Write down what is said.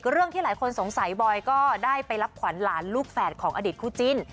เรื่องที่หลายคนสงสัยบอยก็ได้ไปรับขวัญหลานลูกแฝดของอดีตคู่จิ้น